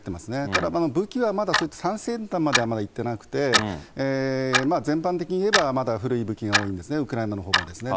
ただ、武器はまだ最先端まではまだいってなくて、全般的にいえば、まだ古い武器が多いんですね、ウクライナのほうもですね。